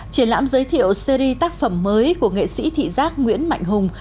triển lãm giới thiệu series tác phẩm mới của nghệ sĩ thị giác nguyễn mạnh hùng